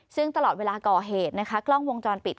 ซึ่งตลอดเวลาก่อเหตุนะคะกล้องวงจรปิด